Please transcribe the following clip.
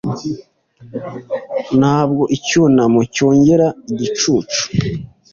Ntabwo icyunamo cyongera igicucu